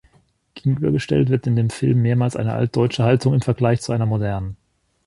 Gegenübergestellt wird in dem Film mehrmals eine „altdeutsche“ Haltung im Vergleich zu einer „modernen“.